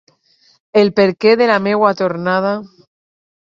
El perquè de la meua tornada...